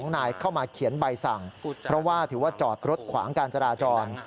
นายเข้ามาเขียนใบสั่งเพราะว่าถือว่าจอดรถขวางการจราจร